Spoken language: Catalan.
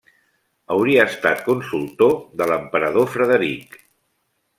Hauria estat consultor de l'Emperador Frederic.